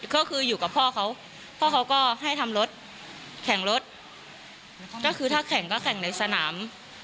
ก็คืออยู่กับพ่อเขาพ่อเขาก็ให้ทำรถแข่งรถก็คือถ้าแข่งก็แข่งในสนาม